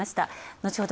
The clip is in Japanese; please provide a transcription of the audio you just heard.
後ほど